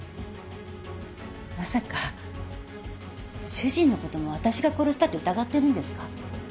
まさか主人の事も私が殺したって疑ってるんですか？